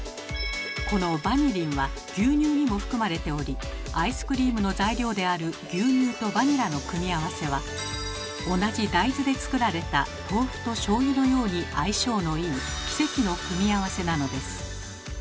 このバニリンは牛乳にも含まれておりアイスクリームの材料である牛乳とバニラの組み合わせは同じ大豆で作られた豆腐としょうゆのように相性のいい奇跡の組み合わせなのです。